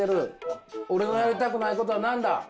俺のやりたくないことは何だ？